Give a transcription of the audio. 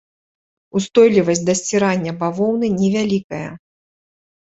Устойлівасць да сцірання бавоўны невялікая.